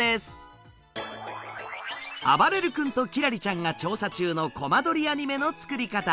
あばれる君と輝星ちゃんが調査中のコマ撮りアニメの作り方。